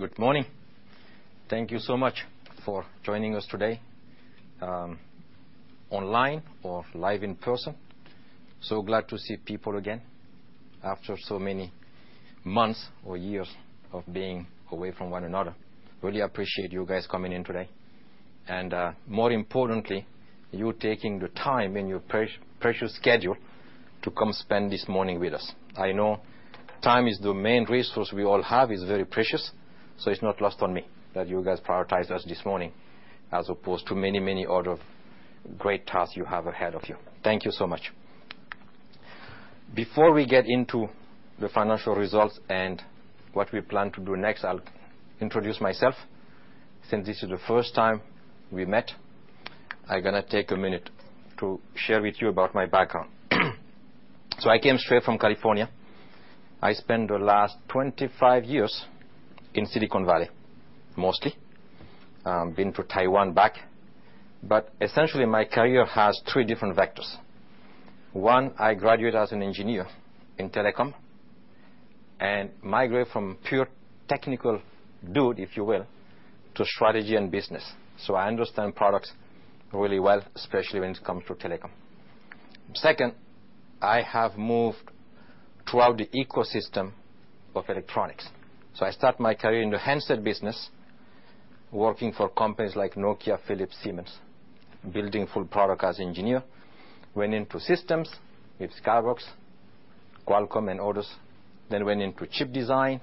Good morning. Thank you so much for joining us today, online or live in person. So glad to see people again after so many months or years of being away from one another. Really appreciate you guys coming in today, and, more importantly, you taking the time in your precious schedule to come spend this morning with us. I know time is the main resource we all have. It's very precious, so it's not lost on me that you guys prioritized us this morning as opposed to many, many other great tasks you have ahead of you. Thank you so much. Before we get into the financial results and what we plan to do next, I'll introduce myself. Since this is the first time we met, I'm gonna take a minute to share with you about my background. I came straight from California. I spent the last 25 years in Silicon Valley, mostly. Been to Taiwan back. Essentially, my career has three different vectors. One, I graduate as an engineer in telecom and migrate from pure technical dude, if you will, to strategy and business. I understand products really well, especially when it comes to telecom. Second, I have moved throughout the ecosystem of electronics. I start my career in the handset business, working for companies like Nokia, Philips, Siemens, building full product as engineer. Went into systems with Skyworks, Qualcomm, and others. Went into chip design,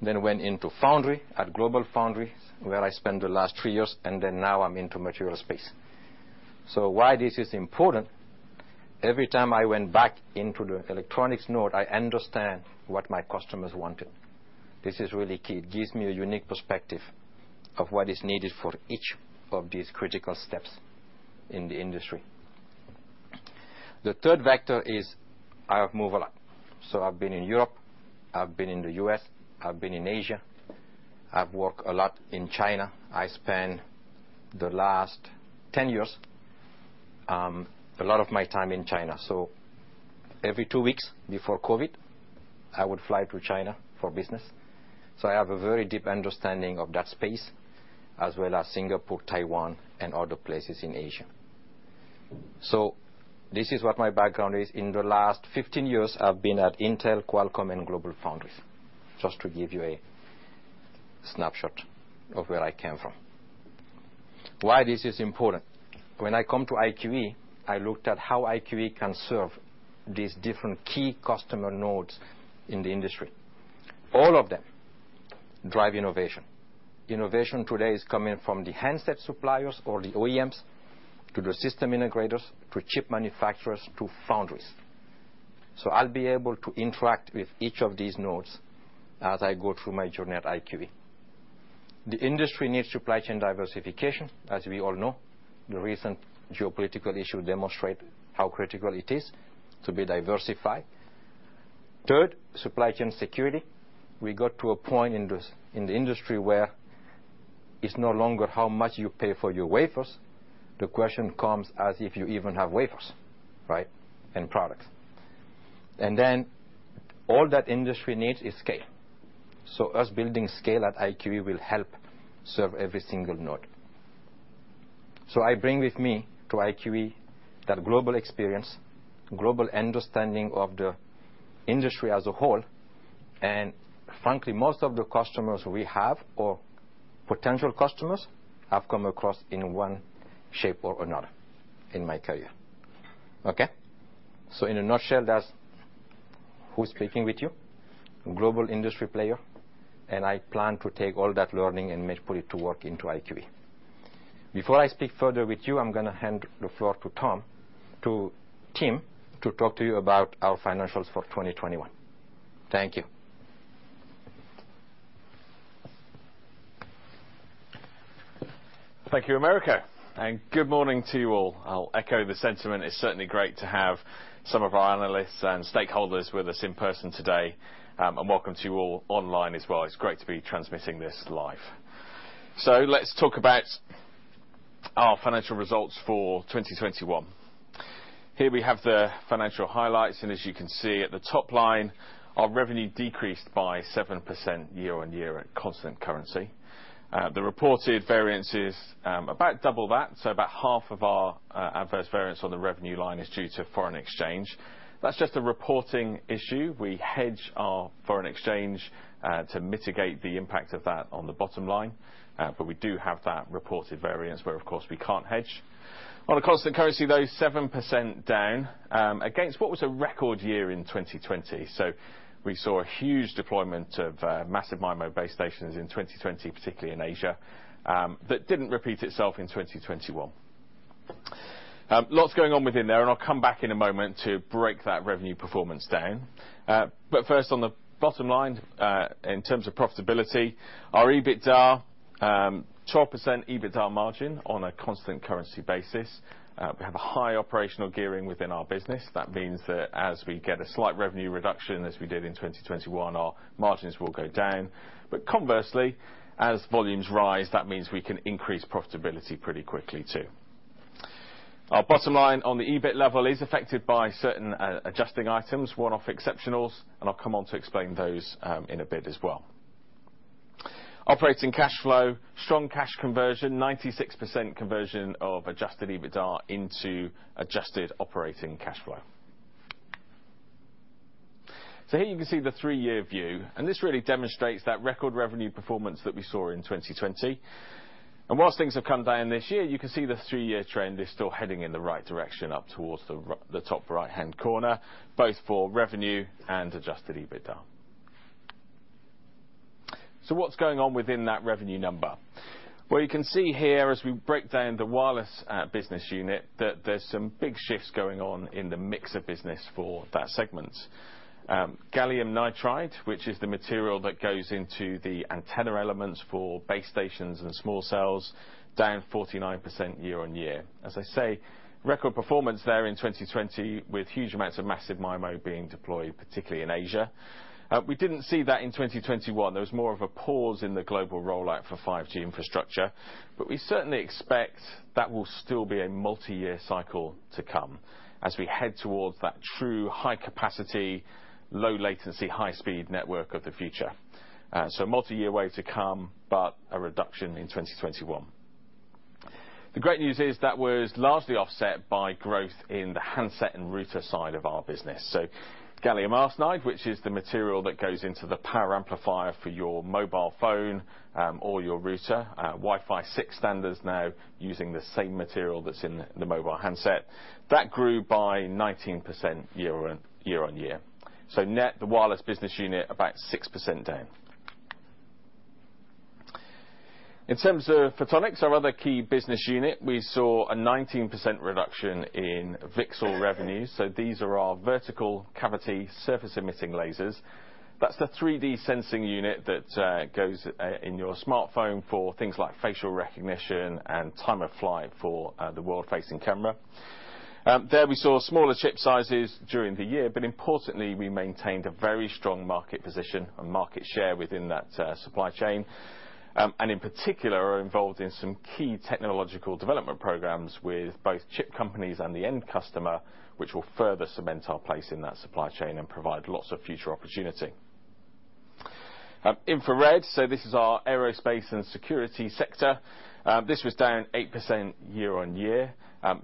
then went into foundry at GlobalFoundries, where I spent the last 3 years, and now I'm into material space. Why this is important, every time I went back into the electronics node, I understand what my customers wanted. This is really key. It gives me a unique perspective of what is needed for each of these critical steps in the industry. The third vector is I have moved a lot. I've been in Europe, I've been in the U.S., I've been in Asia. I've worked a lot in China. I spent the last 10 years, a lot of my time in China. Every 2 weeks before COVID, I would fly to China for business. I have a very deep understanding of that space, as well as Singapore, Taiwan, and other places in Asia. This is what my background is. In the last 15 years, I've been at Intel, Qualcomm, and GlobalFoundries, just to give you a snapshot of where I came from. Why this is important? When I come to IQE, I looked at how IQE can serve these different key customer nodes in the industry. All of them drive innovation. Innovation today is coming from the handset suppliers or the OEMs to the system integrators, to chip manufacturers, to foundries. I'll be able to interact with each of these nodes as I go through my journey at IQE. The industry needs supply chain diversification. As we all know, the recent geopolitical issues demonstrate how critical it is to be diversified. Third, supply chain security. We got to a point in this, in the industry where it's no longer how much you pay for your wafers. The question comes as if you even have wafers, right? And products. And then all the industry needs is scale. Us building scale at IQE will help serve every single node. I bring with me to IQE that global experience, global understanding of the industry as a whole. Frankly, most of the customers we have or potential customers I've come across in one shape or another in my career. Okay? In a nutshell, that's who's speaking with you, a global industry player, and I plan to take all that learning and make put it to work into IQE. Before I speak further with you, I'm gonna hand the floor to Tim to talk to you about our financials for 2021. Thank you. Thank you, Americo, and good morning to you all. I'll echo the sentiment. It's certainly great to have some of our analysts and stakeholders with us in person today, and welcome to you all online as well. It's great to be transmitting this live. Let's talk about our financial results for 2021. Here we have the financial highlights, and as you can see at the top line, our revenue decreased by 7% year-on-year at constant currency. The reported variance is about double that. About half of our adverse variance on the revenue line is due to foreign exchange. That's just a reporting issue. We hedge our foreign exchange to mitigate the impact of that on the bottom line. We do have that reported variance where, of course, we can't hedge. On a constant currency, though, 7% down, against what was a record year in 2020. We saw a huge deployment of massive MIMO base stations in 2020, particularly in Asia, that didn't repeat itself in 2021. Lots going on within there, and I'll come back in a moment to break that revenue performance down. First, on the bottom line, in terms of profitability, our EBITDA, 12% EBITDA margin on a constant currency basis. We have a high operational gearing within our business. That means that as we get a slight revenue reduction, as we did in 2021, our margins will go down. Conversely, as volumes rise, that means we can increase profitability pretty quickly too. Our bottom line on the EBIT level is affected by certain adjusting items, one-off exceptionals, and I'll come on to explain those in a bit as well. Operating cash flow, strong cash conversion, 96% conversion of adjusted EBITDA into adjusted operating cash flow. Here you can see the three-year view, and this really demonstrates that record revenue performance that we saw in 2020. Whilst things have come down this year, you can see the three-year trend is still heading in the right direction up towards the top right-hand corner, both for revenue and adjusted EBITDA. What's going on within that revenue number? Well, you can see here as we break down the wireless business unit that there's some big shifts going on in the mix of business for that segment. Gallium nitride, which is the material that goes into the antenna elements for base stations and small cells, down 49% year-on-year. As I say, record performance there in 2020 with huge amounts of massive MIMO being deployed, particularly in Asia. We didn't see that in 2021. There was more of a pause in the global rollout for 5G infrastructure. We certainly expect that will still be a multi-year cycle to come as we head towards that true high capacity, low latency, high-speed network of the future. Multi-year wave to come, but a reduction in 2021. The great news is that was largely offset by growth in the handset and router side of our business. Gallium arsenide, which is the material that goes into the power amplifier for your mobile phone, or your router, Wi-Fi 6 standards now using the same material that's in the mobile handset. That grew by 19% year on year. Net, the wireless business unit, about 6% down. In terms of Photonics, our other key business unit, we saw a 19% reduction in VCSEL revenues. These are our vertical cavity surface emitting lasers. That's the 3D sensing unit that goes in your smartphone for things like facial recognition and time of flight for the world-facing camera. There we saw smaller chip sizes during the year, but importantly, we maintained a very strong market position and market share within that supply chain. In particular, we are involved in some key technological development programs with both chip companies and the end customer, which will further cement our place in that supply chain and provide lots of future opportunity. Infrared, so this is our aerospace and security sector. This was down 8% year-on-year.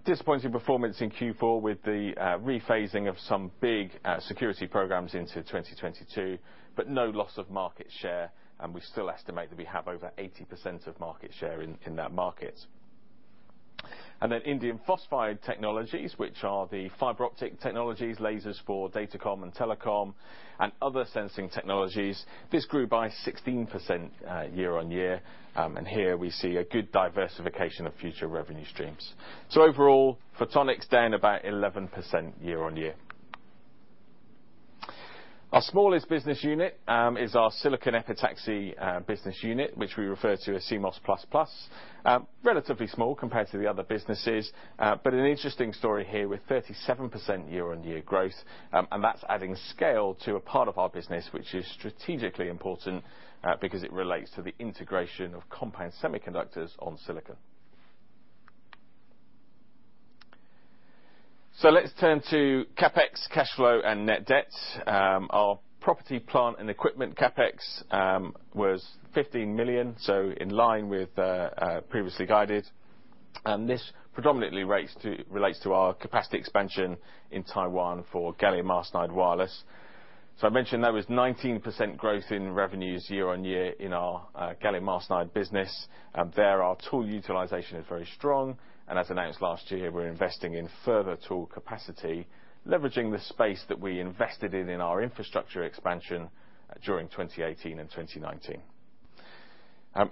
Disappointing performance in Q4 with the rephasing of some big security programs into 2022, but no loss of market share. We still estimate that we have over 80% of market share in that market. Indium phosphide technologies, which are the fiber optic technologies, lasers for datacom and telecom, and other sensing technologies, this grew by 16% year-on-year. Here we see a good diversification of future revenue streams. Overall, Photonics down about 11% year-on-year. Our smallest business unit is our silicon epitaxy business unit, which we refer to as CMOS++. Relatively small compared to the other businesses, but an interesting story here with 37% year-on-year growth. That's adding scale to a part of our business which is strategically important because it relates to the integration of compound semiconductors on silicon. Let's turn to CapEx, cash flow, and net debt. Our property, plant, and equipment CapEx was 15 million, in line with previously guided. This predominantly relates to our capacity expansion in Taiwan for gallium arsenide wireless. I mentioned there was 19% growth in revenues year-over-year in our gallium arsenide business. There our tool utilization is very strong. As announced last year, we're investing in further tool capacity, leveraging the space that we invested in our infrastructure expansion during 2018 and 2019.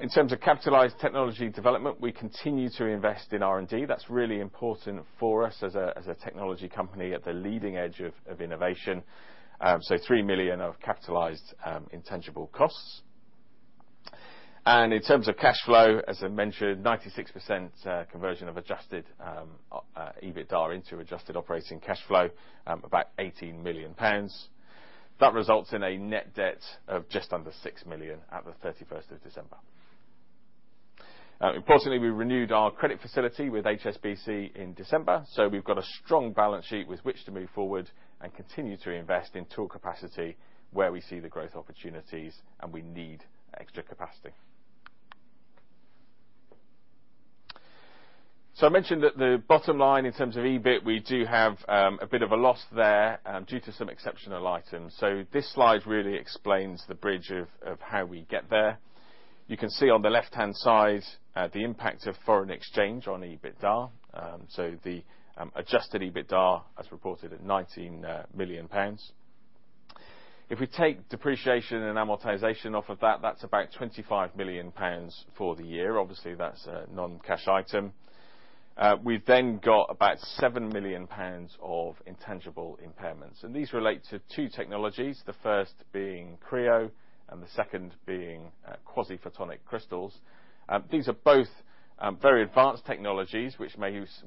In terms of capitalized technology development, we continue to invest in R&D. That's really important for us as a technology company at the leading edge of innovation. 3 million of capitalized intangible costs. In terms of cash flow, as I mentioned, 96% conversion of adjusted EBITDA into adjusted operating cash flow, about 18 million pounds. That results in a net debt of just under 6 million at the 31st of December. Importantly, we renewed our credit facility with HSBC in December, so we've got a strong balance sheet with which to move forward and continue to invest in tool capacity where we see the growth opportunities and we need extra capacity. I mentioned that the bottom line in terms of EBIT, we do have a bit of a loss there due to some exceptional items. This slide really explains the bridge of how we get there. You can see on the left-hand side the impact of foreign exchange on EBITDA. The adjusted EBITDA as reported at 19 million pounds. If we take depreciation and amortization off of that's about 25 million pounds for the year. Obviously, that's a non-cash item. We've got about 7 million pounds of intangible impairments, and these relate to two technologies, the first being cREO and the second being quasi-photonic crystals. These are both very advanced technologies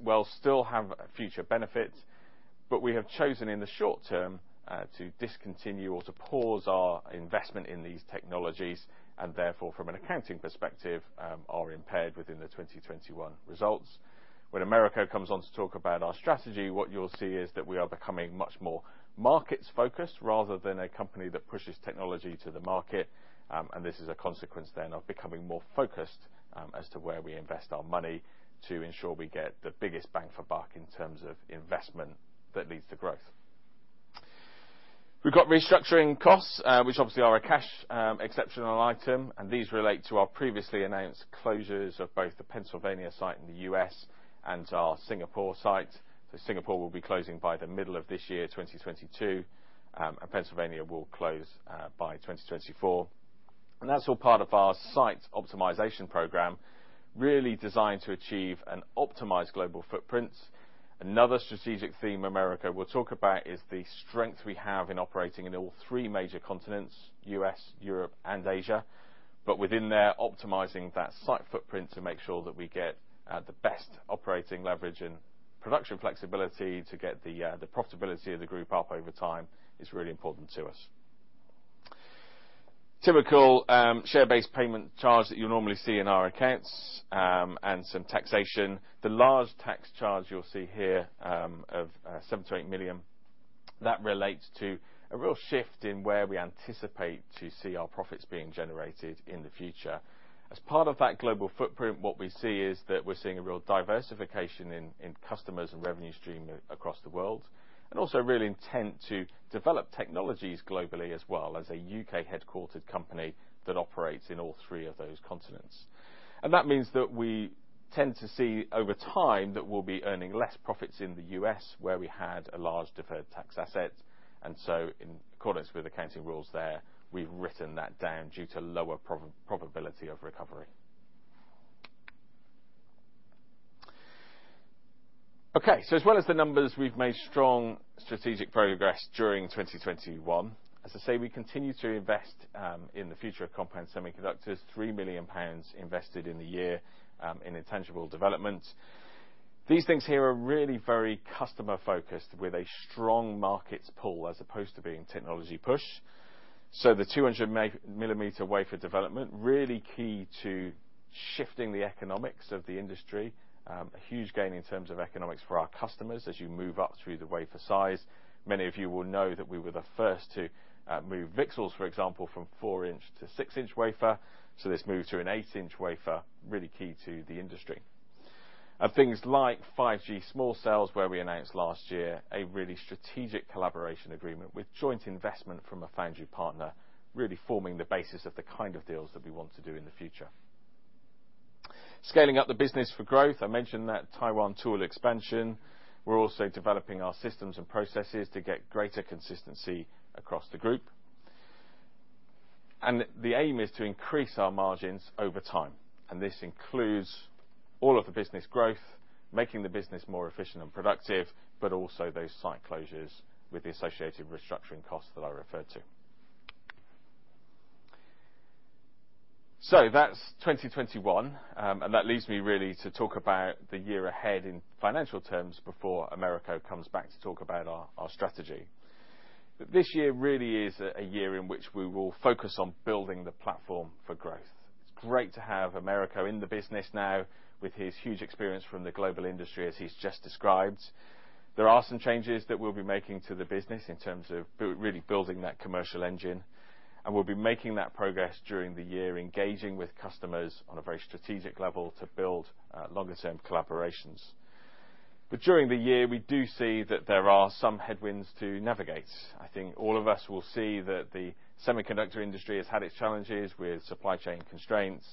while still have future benefits. We have chosen in the short term to discontinue or to pause our investment in these technologies, and therefore, from an accounting perspective, are impaired within the 2021 results. When Americo comes on to talk about our strategy, what you'll see is that we are becoming much more markets-focused rather than a company that pushes technology to the market. This is a consequence then of becoming more focused as to where we invest our money to ensure we get the biggest bang for buck in terms of investment that leads to growth. We've got restructuring costs, which obviously are a cash exceptional item, and these relate to our previously announced closures of both the Pennsylvania site in the U.S. and our Singapore site. Singapore will be closing by the middle of this year, 2022, and Pennsylvania will close by 2024. That's all part of our site optimization program, really designed to achieve an optimized global footprint. Another strategic theme Americo will talk about is the strength we have in operating in all three major continents, U.S., Europe, and Asia. Within there, optimizing that site footprint to make sure that we get the best operating leverage and production flexibility to get the profitability of the group up over time is really important to us. Typical share-based payment charge that you normally see in our accounts, and some taxation. The large tax charge you'll see here of 7 million-8 million, that relates to a real shift in where we anticipate to see our profits being generated in the future. As part of that global footprint, what we see is that we're seeing a real diversification in customers and revenue stream across the world, and also really intent to develop technologies globally as well as a U.K. headquartered company that operates in all three of those continents. That means that we tend to see over time that we'll be earning less profits in the U.S. where we had a large deferred tax asset. In accordance with accounting rules there, we've written that down due to lower probability of recovery. As well as the numbers, we've made strong strategic progress during 2021. As I say, we continue to invest in the future of compound semiconductors, 3 million pounds invested in the year in intangible development. These things here are really very customer-focused with a strong markets pull as opposed to being technology push. The 200mm wafer development really key to shifting the economics of the industry. A huge gain in terms of economics for our customers as you move up through the wafer size. Many of you will know that we were the first to move VCSELs, for example, from 4-inch to 6-inch wafer. This move to an 8-inch wafer, really key to the industry. Things like 5G small cells, where we announced last year a really strategic collaboration agreement with joint investment from a foundry partner, really forming the basis of the kind of deals that we want to do in the future. Scaling up the business for growth. I mentioned that Taiwan tool expansion. We're also developing our systems and processes to get greater consistency across the group. The aim is to increase our margins over time, and this includes all of the business growth, making the business more efficient and productive, but also those site closures with the associated restructuring costs that I referred to. That's 2021, and that leads me really to talk about the year ahead in financial terms before Americo comes back to talk about our strategy. This year really is a year in which we will focus on building the platform for growth. It's great to have Americo in the business now with his huge experience from the global industry as he's just described. There are some changes that we'll be making to the business in terms of really building that commercial engine, and we'll be making that progress during the year, engaging with customers on a very strategic level to build longer-term collaborations. But during the year, we do see that there are some headwinds to navigate. I think all of us will see that the semiconductor industry has had its challenges with supply chain constraints.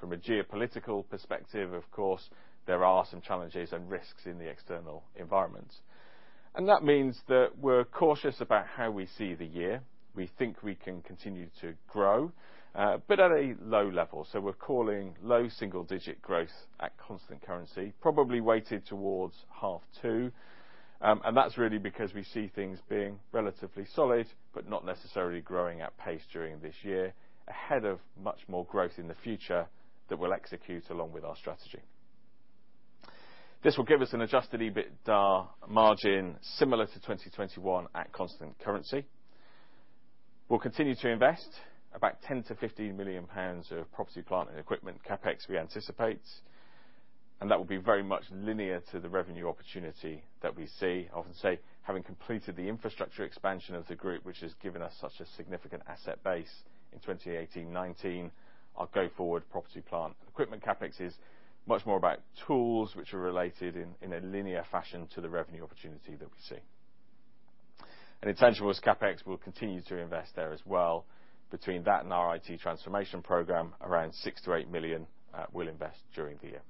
From a geopolitical perspective, of course, there are some challenges and risks in the external environment. That means that we're cautious about how we see the year. We think we can continue to grow, but at a low level. We're calling low single-digit growth at constant currency, probably weighted towards H2. That's really because we see things being relatively solid, but not necessarily growing at pace during this year, ahead of much more growth in the future that we'll execute along with our strategy. This will give us an adjusted EBITDA margin similar to 2021 at constant currency. We'll continue to invest about 10 million-15 million pounds of property, plant, and equipment CapEx we anticipate, and that will be very much linear to the revenue opportunity that we see. I often say, having completed the infrastructure expansion of the group, which has given us such a significant asset base in 2018, 2019, our go-forward property, plant, and equipment CapEx is much more about tools which are related in a linear fashion to the revenue opportunity that we see. In terms of CapEx, we'll continue to invest there as well. Between that and our IT transformation program, around 6-8 million we'll invest during the year.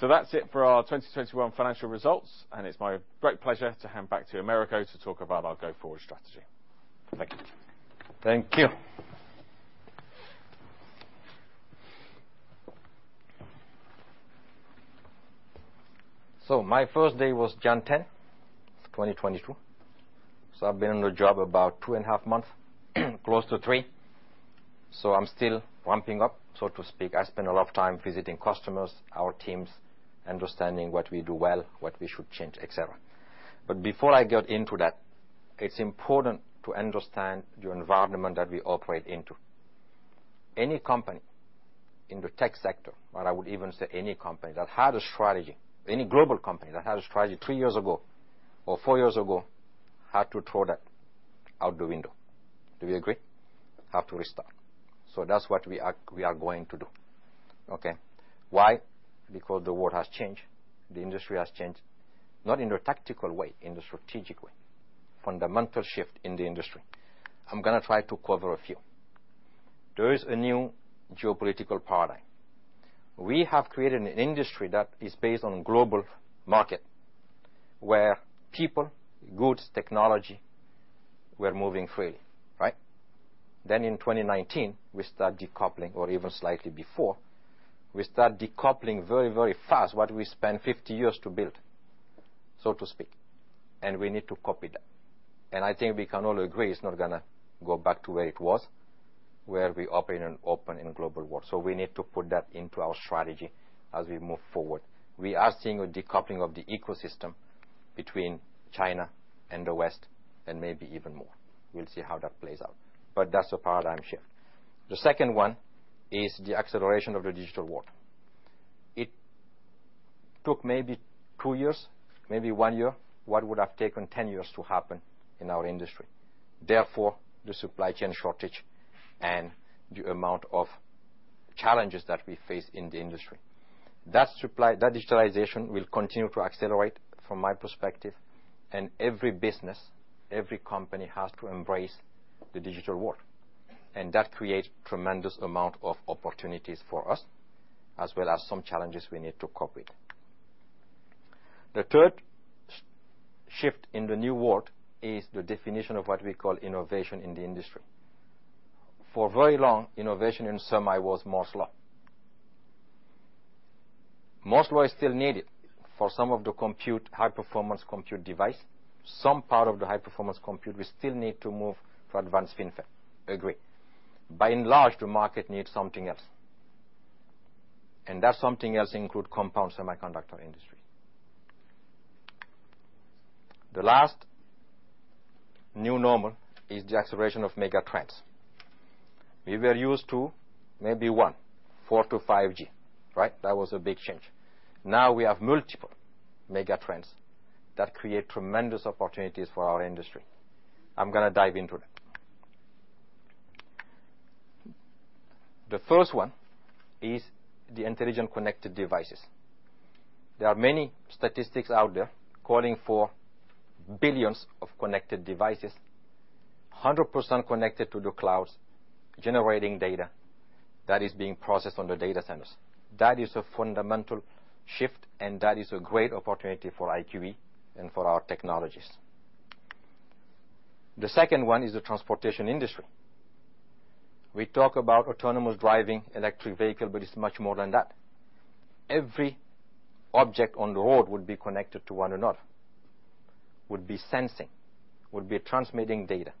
That's it for our 2021 financial results, and it's my great pleasure to hand back to Americo to talk about our go-forward strategy. Thank you. Thank you. My first day was January 10, 2022. I've been on the job about two and a half months, close to three. I'm still ramping up, so to speak. I spend a lot of time visiting customers, our teams, understanding what we do well, what we should change, et cetera. Before I get into that, it's important to understand the environment that we operate in. Any company in the tech sector, or I would even say any company that had a strategy, any global company that had a strategy three years ago or four years ago, had to throw that out the window. Do we agree? We have to restart. That's what we are going to do. Okay? Why? Because the world has changed, the industry has changed. Not in a tactical way, in a strategic way. Fundamental shift in the industry. I'm gonna try to cover a few. There is a new geopolitical paradigm. We have created an industry that is based on global market, where people, goods, technology were moving freely, right? In 2019, we start decoupling, or even slightly before, we start decoupling very, very fast what we spent 50 years to build, so to speak. We need to copy that. I think we can all agree it's not gonna go back to where it was, where we operate in an open and global world. We need to put that into our strategy as we move forward. We are seeing a decoupling of the ecosystem between China and the West and maybe even more. We'll see how that plays out. That's a paradigm shift. The second one is the acceleration of the digital world. It took maybe 2 years, maybe 1 year, what would have taken 10 years to happen in our industry. Therefore, the supply chain shortage and the amount of challenges that we face in the industry. That digitalization will continue to accelerate from my perspective. Every business, every company has to embrace the digital world, and that creates tremendous amount of opportunities for us as well as some challenges we need to cope with. The third shift in the new world is the definition of what we call innovation in the industry. For very long, innovation in semi was Moore's law. Moore's law is still needed for some of the compute, high-performance compute device. Some part of the high-performance compute we still need to move to advanced FinFET. Agree. By and large, the market needs something else. That something else include compound semiconductor industry. The last new normal is the acceleration of mega trends. We were used to maybe one 4G to 5G, right? That was a big change. Now we have multiple mega trends that create tremendous opportunities for our industry. I'm gonna dive into that. The first one is the intelligent connected devices. There are many statistics out there calling for billions of connected devices, 100% connected to the clouds, generating data that is being processed on the data centers. That is a fundamental shift, and that is a great opportunity for IQE and for our technologies. The second one is the transportation industry. We talk about autonomous driving, electric vehicle, but it's much more than that. Every object on the road will be connected to one another, will be sensing, will be transmitting data.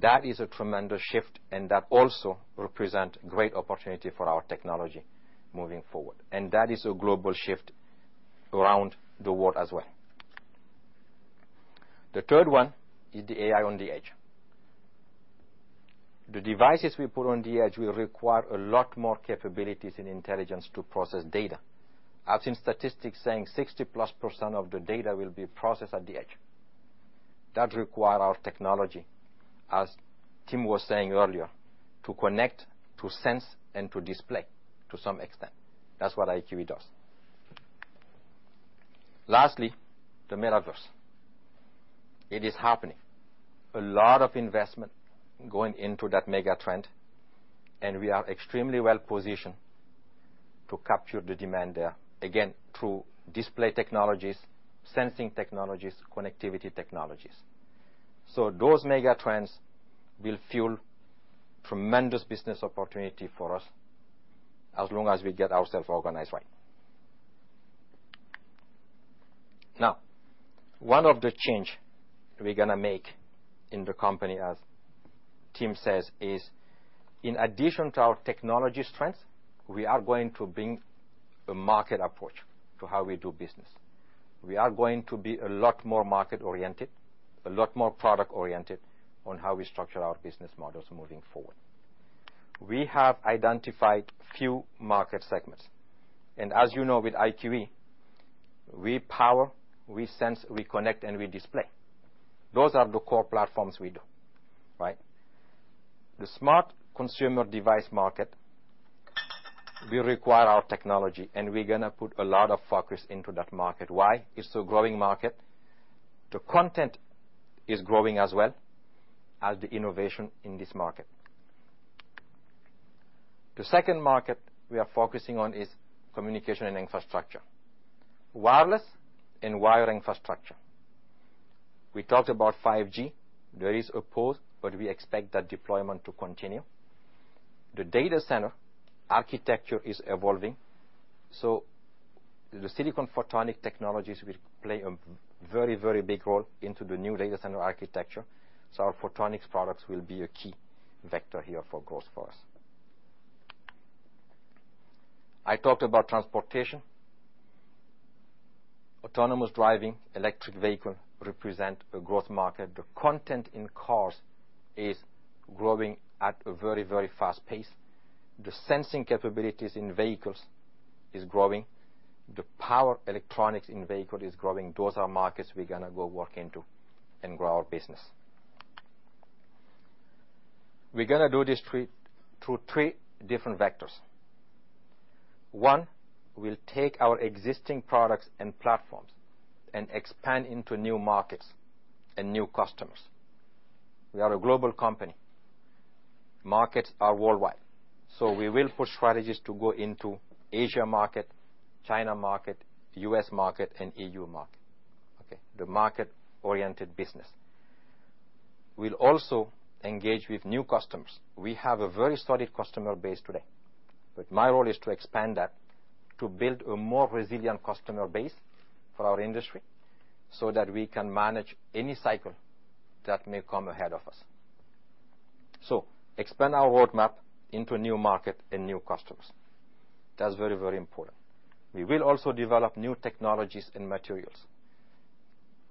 That is a tremendous shift, and that also represent great opportunity for our technology moving forward. That is a global shift around the world as well. The third one is the AI on the edge. The devices we put on the edge will require a lot more capabilities and intelligence to process data. I've seen statistics saying 60%+ of the data will be processed at the edge. That require our technology, as Tim was saying earlier, to connect, to sense, and to display to some extent. That's what IQE does. Lastly, the metaverse. It is happening. A lot of investment going into that mega trend, and we are extremely well-positioned to capture the demand there, again, through display technologies, sensing technologies, connectivity technologies. Those mega trends will fuel tremendous business opportunity for us as long as we get ourself organized right. Now, one of the changes we're gonna make in the company, as Tim says, is in addition to our technology strengths, we are going to bring a market approach to how we do business. We are going to be a lot more market-oriented, a lot more product-oriented on how we structure our business models moving forward. We have identified a few market segments. As you know with IQE, we power, we sense, we connect, and we display. Those are the core platforms we do, right? The smart consumer device market will require our technology, and we're gonna put a lot of focus into that market. Why? It's a growing market. The content is growing as well as the innovation in this market. The second market we are focusing on is communication and infrastructure. Wireless and wired infrastructure. We talked about 5G. There is a pause, but we expect that deployment to continue. The data center architecture is evolving. The silicon photonics technologies will play a very, very big role into the new data center architecture. Our photonics products will be a key vector here for growth for us. I talked about transportation. Autonomous driving, electric vehicle represent a growth market. The content in cars is growing at a very, very fast pace. The sensing capabilities in vehicles is growing. The power electronics in vehicle is growing. Those are markets we're gonna go work into and grow our business. We're gonna do this through three different vectors. One, we'll take our existing products and platforms and expand into new markets and new customers. We are a global company. Markets are worldwide, so we will put strategies to go into Asia market, China market, U.S. market, and EU market, okay? The market-oriented business. We'll also engage with new customers. We have a very solid customer base today, but my role is to expand that, to build a more resilient customer base for our industry, so that we can manage any cycle that may come ahead of us. Expand our roadmap into new market and new customers. That's very, very important. We will also develop new technologies and materials.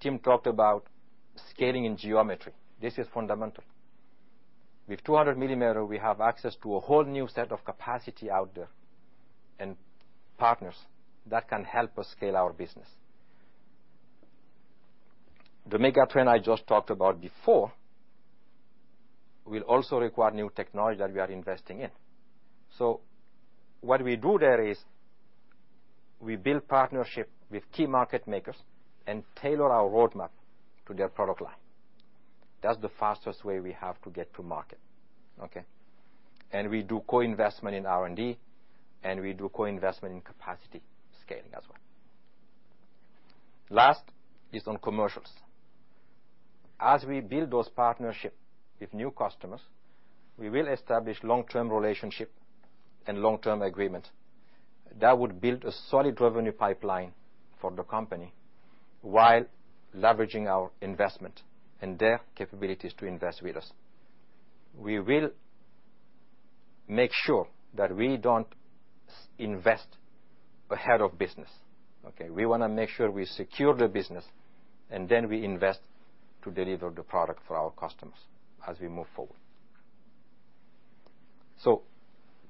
Tim talked about scaling in geometry. This is fundamental. With 200mm, we have access to a whole new set of capacity out there and partners that can help us scale our business. The mega trend I just talked about before will also require new technology that we are investing in. What we do there is we build partnership with key market makers and tailor our roadmap to their product line. That's the fastest way we have to get to market, okay? We do co-investment in R&D, and we do co-investment in capacity scaling as well. Last is on commercials. As we build those partnership with new customers, we will establish long-term relationship and long-term agreement that would build a solid revenue pipeline for the company while leveraging our investment and their capabilities to invest with us. We will make sure that we don't invest ahead of business, okay? We wanna make sure we secure the business, and then we invest to deliver the product for our customers as we move forward.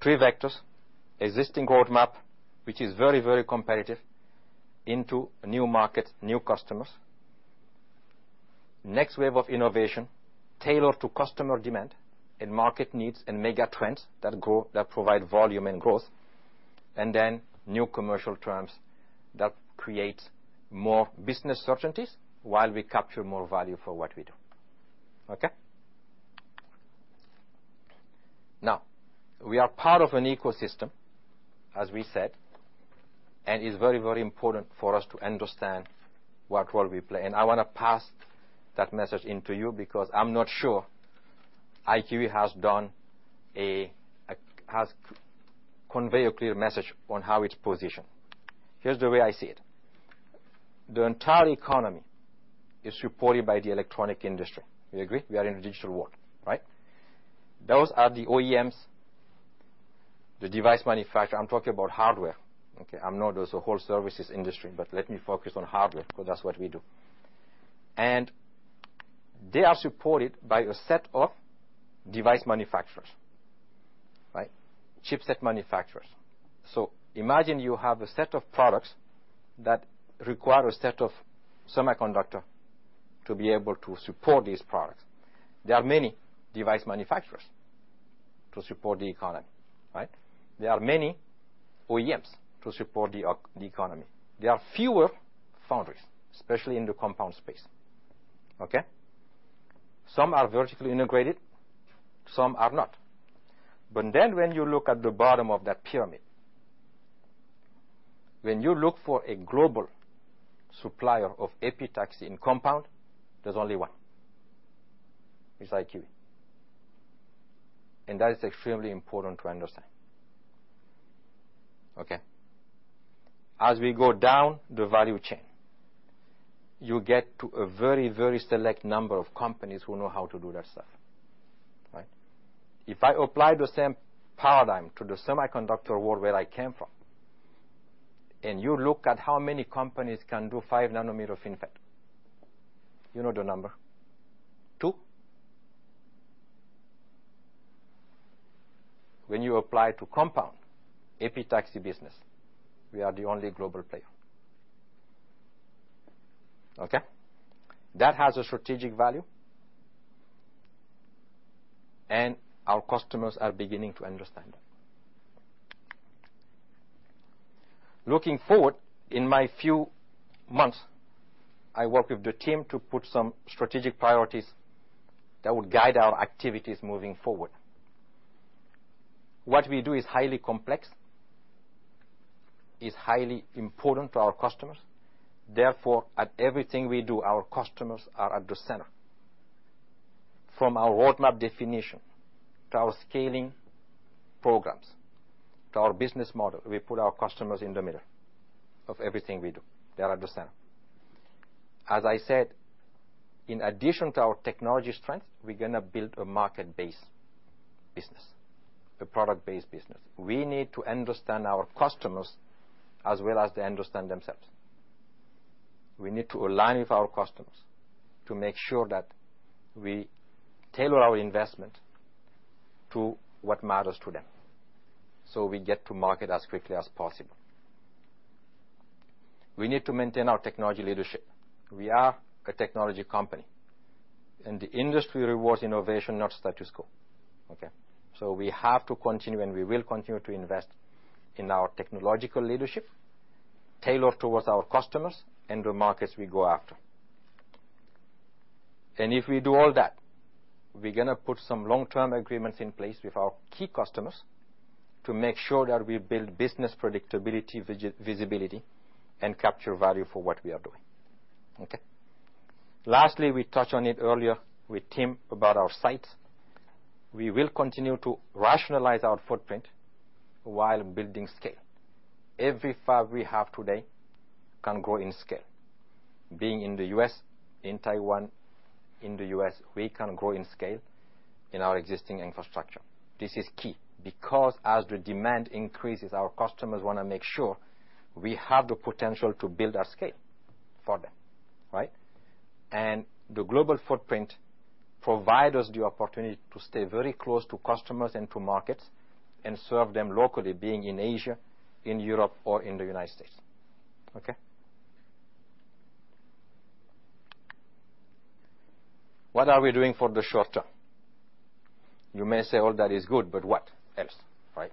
Three vectors, existing roadmap, which is very, very competitive into new markets, new customers. Next wave of innovation, tailored to customer demand and market needs and mega trends that provide volume and growth. Then new commercial terms that create more business certainties while we capture more value for what we do, okay? Now, we are part of an ecosystem, as we said, and it's very, very important for us to understand what role we play. I wanna pass that message into you because I'm not sure IQE has done a has conveyed a clear message on how it's positioned. Here's the way I see it. The entire economy is supported by the electronics industry. We agree? We are in a digital world, right? Those are the OEMs, the device manufacturer. I'm talking about hardware, okay? I know there's a whole services industry, but let me focus on hardware because that's what we do. They are supported by a set of device manufacturers, right? Chipset manufacturers. Imagine you have a set of products that require a set of semiconductor to be able to support these products. There are many device manufacturers to support the economy, right? There are many OEMs to support the economy. There are fewer foundries, especially in the compound space, okay? Some are vertically integrated, some are not. When you look at the bottom of that pyramid, when you look for a global supplier of epitaxy in compound, there's only one. It's IQE. That is extremely important to understand, okay? As we go down the value chain, you get to a very, very select number of companies who know how to do that stuff, right? If I apply the same paradigm to the semiconductor world where I came from, and you look at how many companies can do 5 nanometer FinFET, you know the number. 2. In the compound epitaxy business, we are the only global player. Okay? That has a strategic value, and our customers are beginning to understand that. Looking forward, in my first few months, I work with the team to put some strategic priorities that would guide our activities moving forward. What we do is highly complex, highly important to our customers. Therefore, in everything we do, our customers are at the center. From our roadmap definition to our scaling programs, to our business model, we put our customers in the middle of everything we do. They are at the center. As I said, in addition to our technology strength, we're gonna build a market-based business, a product-based business. We need to understand our customers as well as they understand themselves. We need to align with our customers to make sure that we tailor our investment to what matters to them, so we get to market as quickly as possible. We need to maintain our technology leadership. We are a technology company, and the industry rewards innovation, not status quo. Okay? We have to continue, and we will continue to invest in our technological leadership, tailored towards our customers and the markets we go after. If we do all that, we're gonna put some long-term agreements in place with our key customers to make sure that we build business predictability, visibility, and capture value for what we are doing. Okay? Lastly, we touched on it earlier with Tim about our sites. We will continue to rationalize our footprint while building scale. Every fab we have today can grow in scale. Being in the U.S., in Taiwan, in the U.S., we can grow in scale in our existing infrastructure. This is key because as the demand increases, our customers wanna make sure we have the potential to build at scale for them, right? The global footprint provide us the opportunity to stay very close to customers and to markets and serve them locally, being in Asia, in Europe, or in the United States. Okay? What are we doing for the short term? You may say all that is good, but what else, right?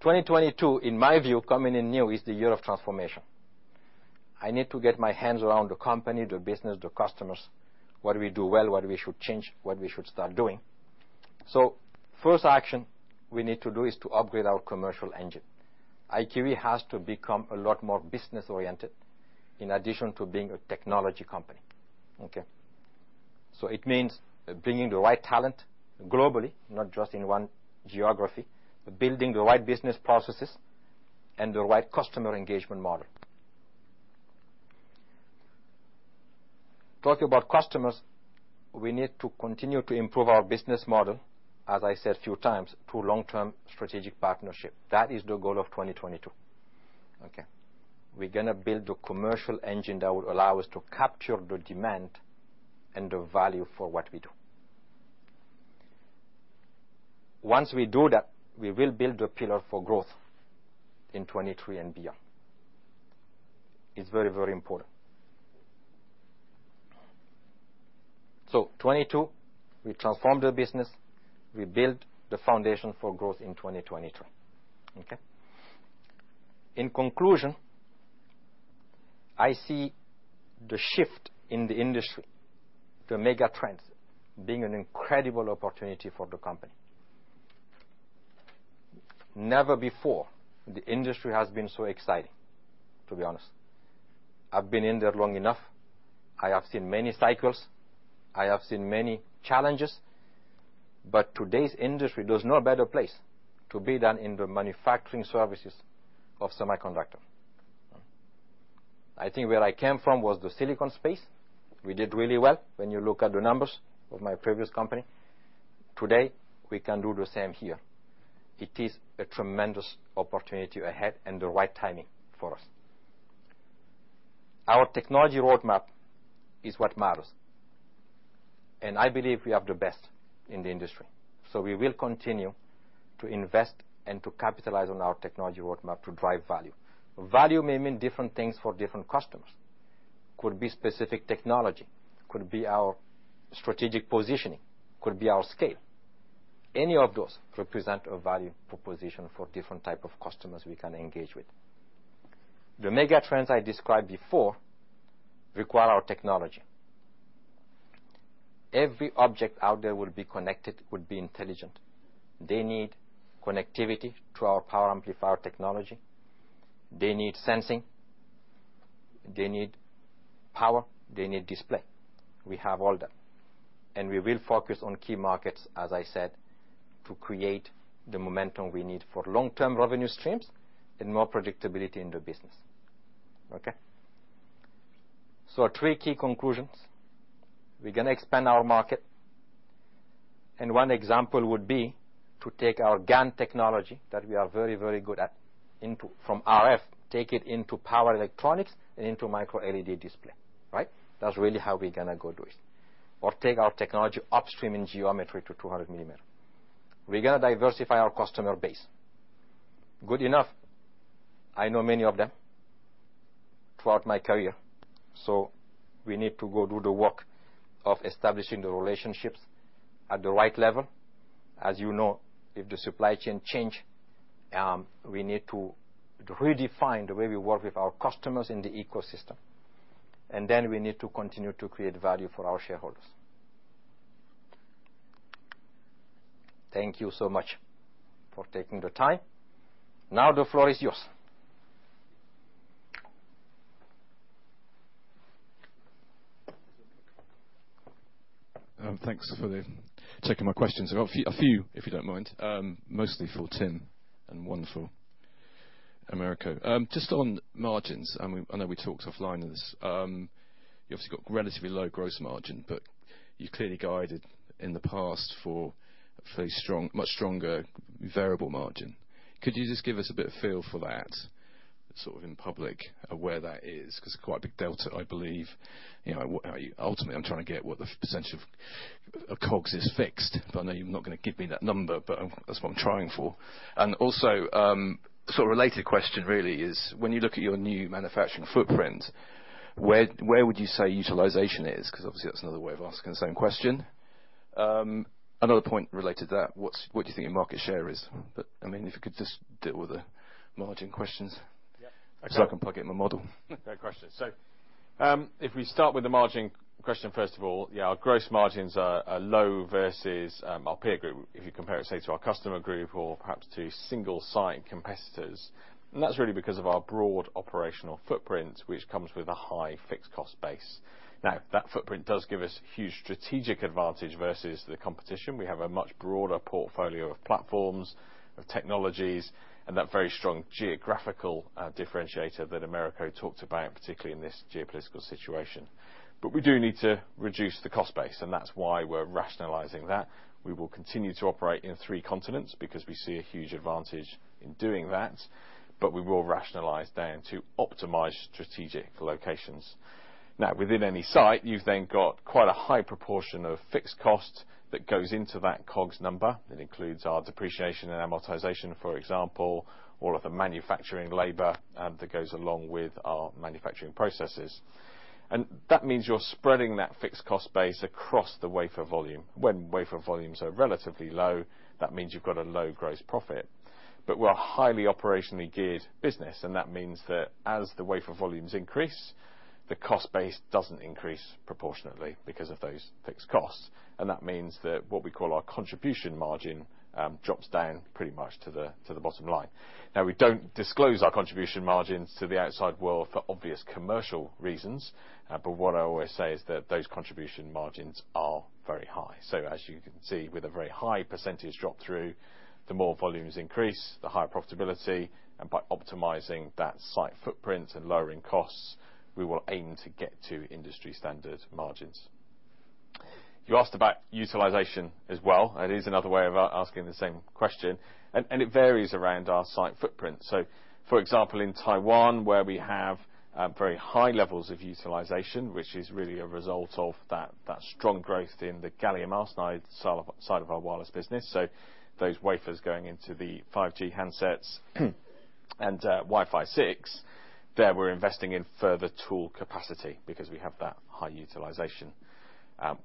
2022, in my view, coming in new, is the year of transformation. I need to get my hands around the company, the business, the customers. What we do well, what we should change, what we should start doing. First action we need to do is to upgrade our commercial engine. IQE has to become a lot more business-oriented in addition to being a technology company. Okay. It means bringing the right talent globally, not just in one geography, building the right business processes and the right customer engagement model. Talking about customers, we need to continue to improve our business model, as I said a few times, to long-term strategic partnership. That is the goal of 2022. Okay. We're gonna build the commercial engine that will allow us to capture the demand and the value for what we do. Once we do that, we will build a pillar for growth in 2023 and beyond. It's very, very important. 2022, we transform the business. We build the foundation for growth in 2022. Okay. In conclusion, I see the shift in the industry, the mega trends, being an incredible opportunity for the company. Never before the industry has been so exciting, to be honest. I've been in there long enough. I have seen many cycles. I have seen many challenges. Today's industry, there's no better place to be than in the manufacturing services of semiconductor. I think where I came from was the silicon space. We did really well when you look at the numbers of my previous company. Today, we can do the same here. It is a tremendous opportunity ahead and the right timing for us. Our technology roadmap is what matters, and I believe we have the best in the industry. We will continue to invest and to capitalize on our technology roadmap to drive value. Value may mean different things for different customers. Could be specific technology, could be our strategic positioning, could be our scale. Any of those represent a value proposition for different type of customers we can engage with. The mega trends I described before require our technology. Every object out there will be connected, will be intelligent. They need connectivity to our power amplifier technology. They need sensing. They need power. They need display. We have all that. We will focus on key markets, as I said, to create the momentum we need for long-term revenue streams and more predictability in the business. Okay? Our three key conclusions. We're gonna expand our market, and one example would be to take our GaN technology that we are very, very good at into. From RF, take it into power electronics and into MicroLED display, right? That's really how we're gonna go do it. Take our technology upstream in geometry to 200mm. We're gonna diversify our customer base. Good enough. I know many of them throughout my career, so we need to go do the work of establishing the relationships at the right level. As you know, if the supply chain change, we need to redefine the way we work with our customers in the ecosystem. We need to continue to create value for our shareholders. Thank you so much for taking the time. Now the floor is yours. Thanks for taking my questions. I've got a few, if you don't mind, mostly for Tim and one for Americo. Just on margins, and I know we talked offline on this. You've obviously got relatively low gross margin, but you clearly guided in the past for a very strong, much stronger variable margin. Could you just give us a bit of feel for that, sort of in public of where that is? 'Cause it's quite a big delta, I believe. You know, ultimately, I'm trying to get what the percentage of COGS is fixed, but I know you're not going to give me that number, but that's what I'm trying for. Also, sort of related question really is when you look at your new manufacturing footprint, where would you say utilization is? Obviously that's another way of asking the same question. Another point related to that, what do you think your market share is? I mean, if you could just deal with the margin questions. Yeah. I can plug in my model. No question. If we start with the margin question, first of all, yeah, our gross margins are low versus our peer group. If you compare it, say, to our customer group or perhaps to single site competitors. That's really because of our broad operational footprint, which comes with a high fixed cost base. Now, that footprint does give us huge strategic advantage versus the competition. We have a much broader portfolio of platforms, of technologies, and that very strong geographical differentiator that Americo talked about, particularly in this geopolitical situation. We do need to reduce the cost base, and that's why we're rationalizing that. We will continue to operate in three continents because we see a huge advantage in doing that. We will rationalize down to optimized strategic locations. Now, within any site, you've then got quite a high proportion of fixed cost that goes into that COGS number. That includes our depreciation and amortization, for example, all of the manufacturing labor, that goes along with our manufacturing processes. That means you're spreading that fixed cost base across the wafer volume. When wafer volumes are relatively low, that means you've got a low gross profit. We're a highly operationally geared business, and that means that as the wafer volumes increase, the cost base doesn't increase proportionately because of those fixed costs. That means that what we call our contribution margin, drops down pretty much to the bottom line. Now, we don't disclose our contribution margins to the outside world for obvious commercial reasons. What I always say is that those contribution margins are very high. As you can see, with a very high percentage drop through, the more volumes increase, the higher profitability, and by optimizing that site footprint and lowering costs, we will aim to get to industry standard margins. You asked about utilization as well. It is another way of asking the same question, and it varies around our site footprint. For example, in Taiwan, where we have very high levels of utilization, which is really a result of that strong growth in the gallium arsenide side of our wireless business. Those wafers going into the 5G handsets and Wi-Fi 6, there we're investing in further tool capacity because we have that high utilization.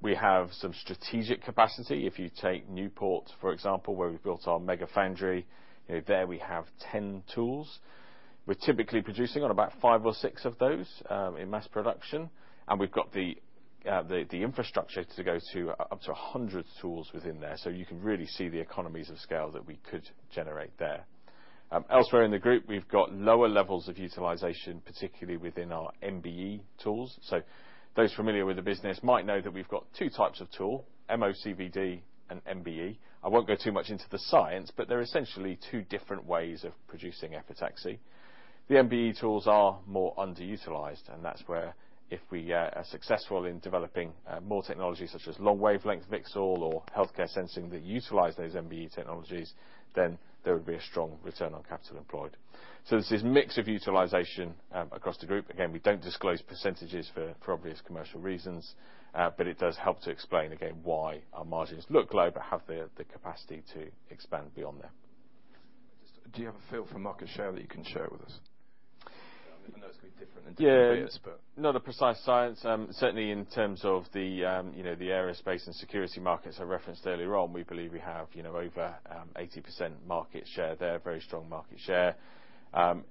We have some strategic capacity. If you take Newport, for example, where we've built our mega foundry, you know, there we have 10 tools. We're typically producing on about 5 or 6 of those in mass production, and we've got the infrastructure to go to up to 100 tools within there. You can really see the economies of scale that we could generate there. Elsewhere in the group, we've got lower levels of utilization, particularly within our MBE tools. Those familiar with the business might know that we've got two types of tool, MOCVD and MBE. I won't go too much into the science, but they're essentially two different ways of producing epitaxy. The MBE tools are more underutilized, and that's where if we are successful in developing more technologies such as long wavelength VCSEL or healthcare sensing that utilize those MBE technologies, then there would be a strong return on capital employed. There's this mix of utilization across the group. Again, we don't disclose percentages for obvious commercial reasons, but it does help to explain again why our margins look low but have the capacity to expand beyond them. Do you have a feel for market share that you can share with us? I know it's going to be different in different areas, but. Yeah. Not a precise science. Certainly in terms of the you know the aerospace and security markets I referenced earlier on, we believe we have you know over 80% market share there, very strong market share.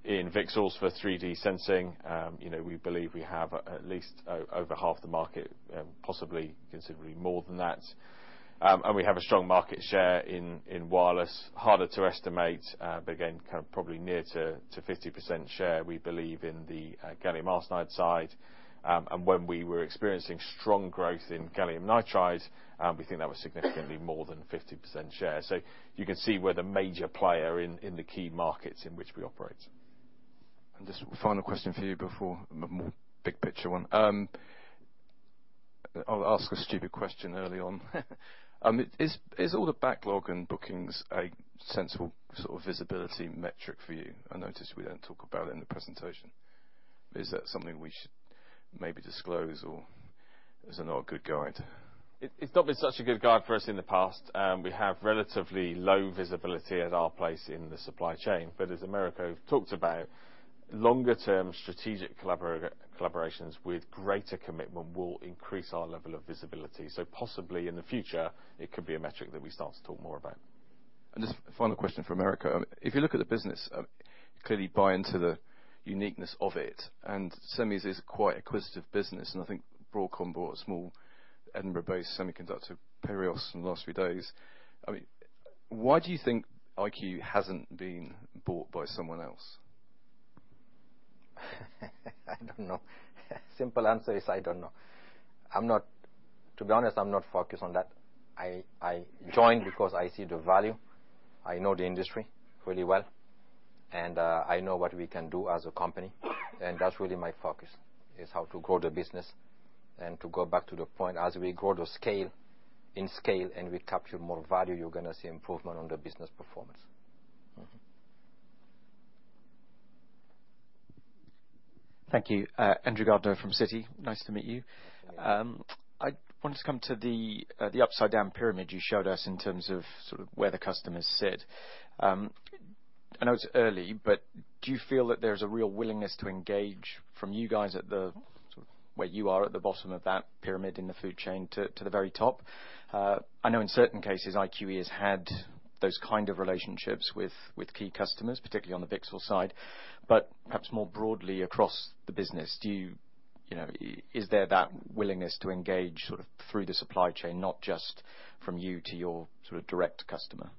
In VCSELs for 3D sensing, you know, we believe we have at least over half the market, possibly considerably more than that. We have a strong market share in wireless. Harder to estimate, but again, kind of probably near to 50% share, we believe, in the gallium arsenide side. When we were experiencing strong growth in gallium nitride, we think that was significantly more than 50% share. You can see we're the major player in the key markets in which we operate. Just a final question for you before a more big picture one. I'll ask a stupid question early on. Is all the backlog and bookings a sensible sort of visibility metric for you? I noticed we don't talk about it in the presentation. Is that something we should maybe disclose, or is it not a good guide? It's not been such a good guide for us in the past. We have relatively low visibility at our place in the supply chain. As Americo talked about, longer term strategic collaborations with greater commitment will increase our level of visibility. Possibly in the future, it could be a metric that we start to talk more about. Just final question for Americo. If you look at the business, clearly buy into the uniqueness of it, and II-VI is quite acquisitive business, and I think Broadcom bought a small Edinburgh-based semiconductor, Perios, in the last few days. I mean, why do you think IQE hasn't been bought by someone else? I don't know. Simple answer is, I don't know. I'm not. To be honest, I'm not focused on that. I joined because I see the value, I know the industry really well, and I know what we can do as a company. That's really my focus, is how to grow the business and to go back to the point, as we grow the scale, in scale, and we capture more value, you're gonna see improvement on the business performance. Thank you. Andrew Gardiner from Citi. Nice to meet you. Nice to meet you. I wanted to come to the upside-down pyramid you showed us in terms of sort of where the customers sit. I know it's early, but do you feel that there's a real willingness to engage from you guys at the sort of where you are at the bottom of that pyramid in the food chain to the very top? I know in certain cases, IQE has had those kind of relationships with key customers, particularly on the VCSEL side, but perhaps more broadly across the business, do you know, is there that willingness to engage sort of through the supply chain, not just from you to your sort of direct customer?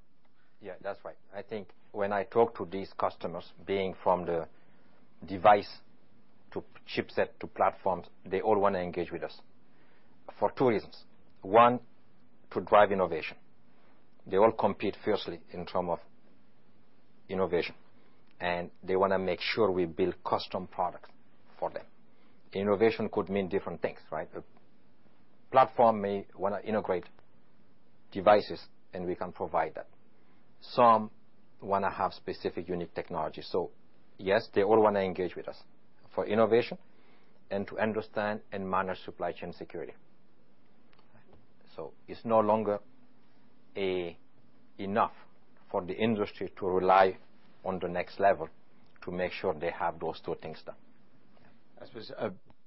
Yeah, that's right. I think when I talk to these customers, being from the device to chipset to platforms, they all wanna engage with us for two reasons. One, to drive innovation. They all compete fiercely in terms of innovation, and they wanna make sure we build custom products for them. Innovation could mean different things, right? A platform may wanna integrate devices, and we can provide that. Some wanna have specific unique technology. Yes, they all wanna engage with us for innovation and to understand and manage supply chain security. It's no longer enough for the industry to rely on the next level to make sure they have those two things done. I suppose,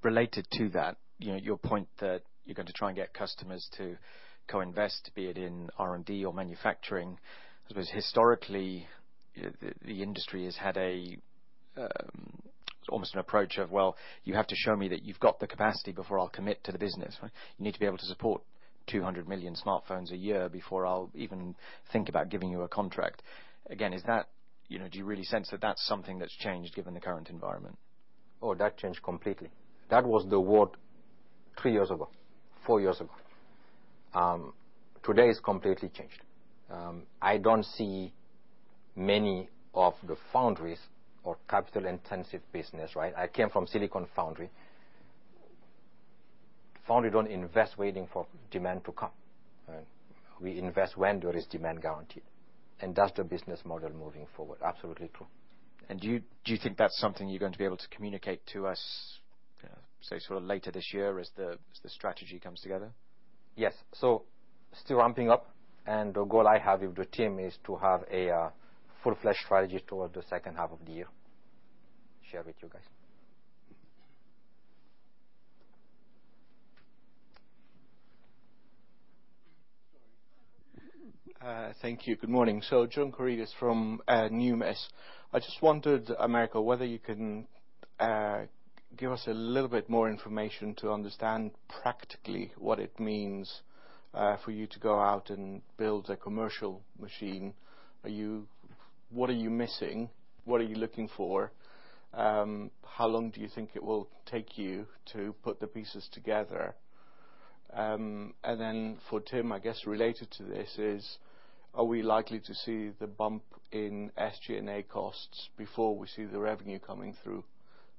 related to that, you know, your point that you're going to try and get customers to co-invest, be it in R&D or manufacturing. I suppose historically, the industry has had a, almost an approach of, "Well, you have to show me that you've got the capacity before I'll commit to the business." Right? "You need to be able to support 200 million smartphones a year before I'll even think about giving you a contract." Again, is that, you know, do you really sense that that's something that's changed given the current environment? Oh, that changed completely. That was the world three years ago, four years ago. Today it's completely changed. I don't see many of the foundries or capital-intensive business, right? I came from Silicon Foundry. Foundry don't invest waiting for demand to come. We invest when there is demand guaranteed, and that's the business model moving forward. Absolutely true. Do you think that's something you're going to be able to communicate to us, say, sort of later this year as the strategy comes together? Yes. Still ramping up, and the goal I have with the team is to have a full-fledged strategy toward the second half of the year, share with you guys. Sorry. Thank you. Good morning. John Karidis from Numis. I just wondered, Americo, whether you can give us a little bit more information to understand practically what it means for you to go out and build a commercial machine. What are you missing? What are you looking for? How long do you think it will take you to put the pieces together? And then for Tim, I guess related to this is, are we likely to see the bump in SG&A costs before we see the revenue coming through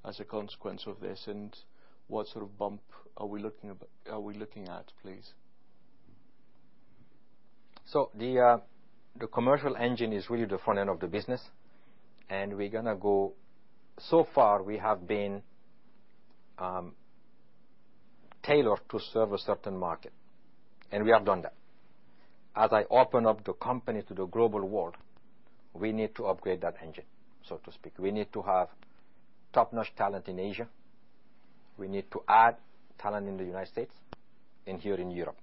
as a consequence of this? And what sort of bump are we looking at, please? The commercial engine is really the front end of the business. So far, we have been tailored to serve a certain market, and we have done that. As I open up the company to the global world, we need to upgrade that engine, so to speak. We need to have top-notch talent in Asia. We need to add talent in the United States and here in Europe.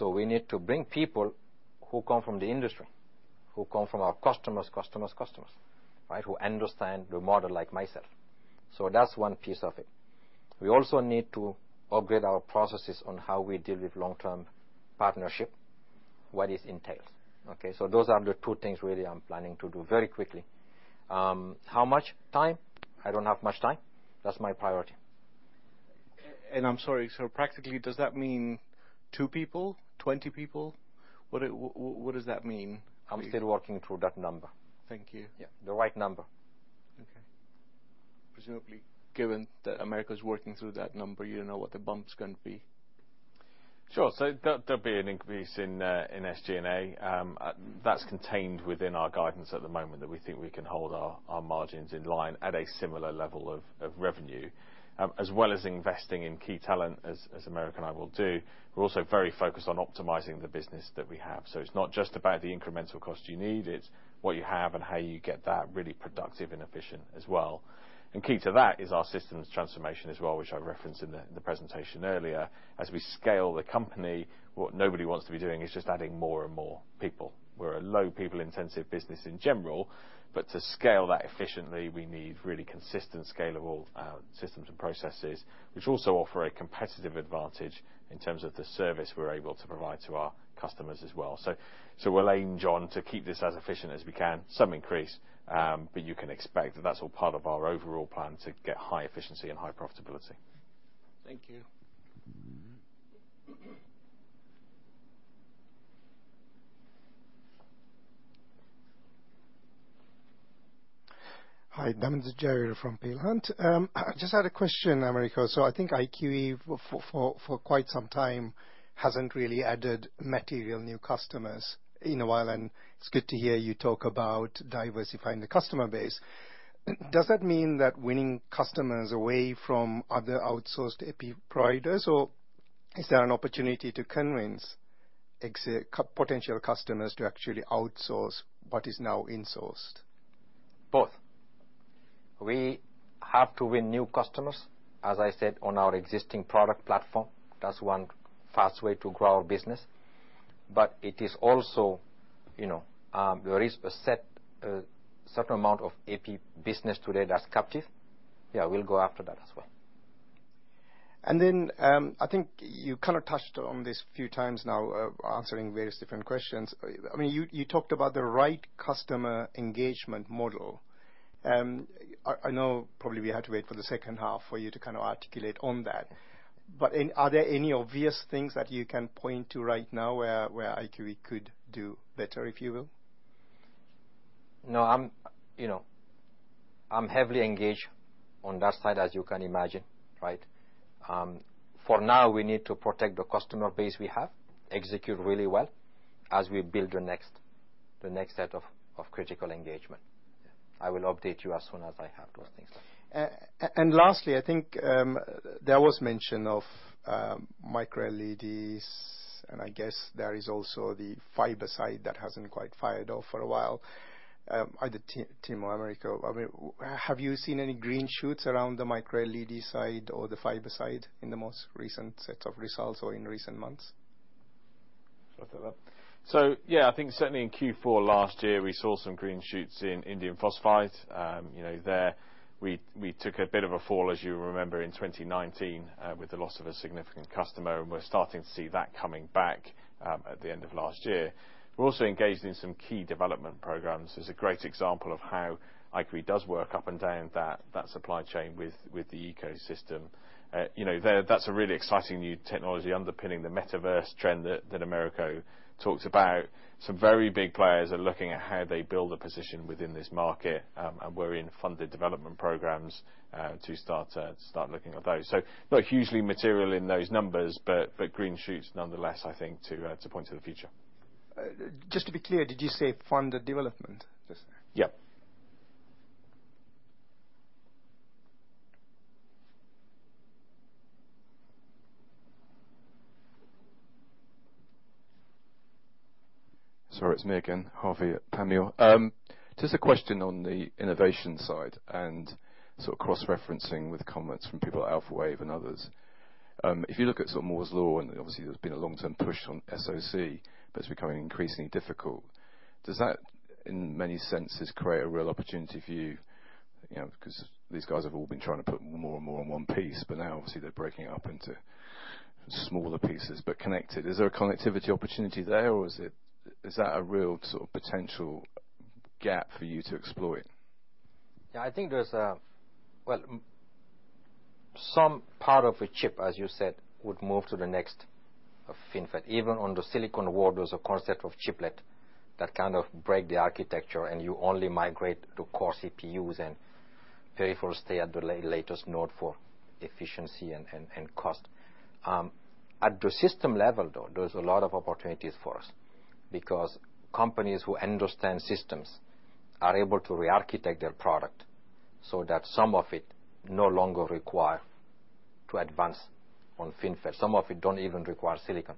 We need to bring people who come from the industry, who come from our customers, right? Who understand the model like myself. That's one piece of it. We also need to upgrade our processes on how we deal with long-term partnership, what this entails, okay? Those are the two things really I'm planning to do very quickly. How much time? I don't have much time. That's my priority. I'm sorry, so practically, does that mean two people, 20 people? What does that mean? I'm still working through that number. Thank you. Yeah. The right number. Okay. Presumably, given that Americo's working through that number, you don't know what the bump's gonna be. Sure. There'll be an increase in SG&A. That's contained within our guidance at the moment that we think we can hold our margins in line at a similar level of revenue. As well as investing in key talent as Americo and I will do, we're also very focused on optimizing the business that we have. It's not just about the incremental cost you need, it's what you have and how you get that really productive and efficient as well. Key to that is our systems transformation as well, which I referenced in the presentation earlier. As we scale the company, what nobody wants to be doing is just adding more and more people. We're a low people-intensive business in general, but to scale that efficiently, we need really consistently scalable systems and processes, which also offer a competitive advantage in terms of the service we're able to provide to our customers as well. We're aiming, John, to keep this as efficient as we can, some increase, but you can expect that that's all part of our overall plan to get high efficiency and high profitability. Thank you. Hi. Tammy Qiu from Berenberg. I just had a question, Americo. I think IQE for quite some time hasn't really added material new customers in a while, and it's good to hear you talk about diversifying the customer base. Does that mean winning customers away from other outsourced epi providers, or is there an opportunity to convince existing potential customers to actually outsource what is now insourced? Both. We have to win new customers, as I said, on our existing product platform. That's one fast way to grow our business. It is also, you know, there is a certain amount of epi business today that's captive. Yeah, we'll go after that as well. I think you kind of touched on this a few times now of answering various different questions. I mean, you talked about the right customer engagement model. I know probably we have to wait for the second half for you to kind of articulate on that. Are there any obvious things that you can point to right now where IQE could do better, if you will? No, I'm, you know, I'm heavily engaged on that side, as you can imagine, right? For now, we need to protect the customer base we have, execute really well as we build the next set of critical engagement. Yeah. I will update you as soon as I have those things. And lastly, I think, there was mention of MicroLEDs, and I guess there is also the fiber side that hasn't quite fired off for a while. Either Tim or Americo, I mean, have you seen any green shoots around the MicroLED side or the fiber side in the most recent set of results or in recent months? Start with that. Yeah, I think certainly in Q4 last year, we saw some green shoots in indium phosphide. You know, we took a bit of a fall, as you remember, in 2019, with the loss of a significant customer, and we're starting to see that coming back at the end of last year. We're also engaged in some key development programs. It's a great example of how IQE does work up and down that supply chain with the ecosystem. You know, that's a really exciting new technology underpinning the metaverse trend that Americo talked about. Some very big players are looking at how they build a position within this market, and we're in funded development programs to start looking at those. Not hugely material in those numbers, but green shoots nonetheless, I think to point to the future. Just to be clear, did you say funded development just now? Yeah. Sorry, it's me again, Harvey at Panmure. Just a question on the innovation side and sort of cross-referencing with comments from people at Alphawave and others. If you look at some Moore's Law, and obviously there's been a long-term push on SoC, but it's becoming increasingly difficult. Does that, in many senses, create a real opportunity for you? You know, because these guys have all been trying to put more and more on one piece, but now obviously they're breaking it up into smaller pieces but connected. Is there a connectivity opportunity there, or is that a real sort of potential gap for you to explore? Yeah, I think. Well, some part of a chip, as you said, would move to the next FinFET. Even on the silicon world, there's a concept of chiplet that kind of break the architecture, and you only migrate to core CPUs and pay to stay at the latest node for efficiency and cost. At the system level, though, there's a lot of opportunities for us because companies who understand systems are able to re-architect their product so that some of it no longer require to advance on FinFET. Some of it don't even require silicon,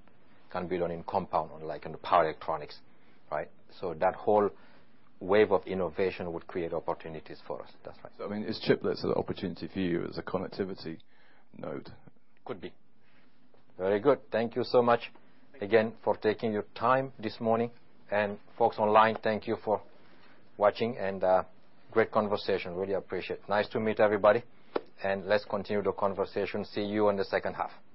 can be done in compound or like in power electronics, right? That whole wave of innovation would create opportunities for us. That's right. I mean, is chiplets an opportunity for you as a connectivity node? Could be. Very good. Thank you so much again for taking your time this morning. Folks online, thank you for watching and great conversation. I really appreciate. Nice to meet everybody, and let's continue the conversation. See you in the second half. Thank you.